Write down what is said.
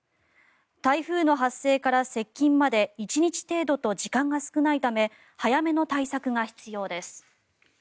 台風の発生から接近まで１日程度と時間が少ないため早めの対策が必要です。